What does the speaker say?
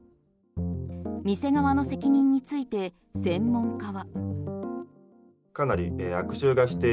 店側の責任について専門家は。